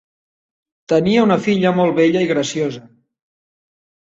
Tenia una filla molt bella i graciosa.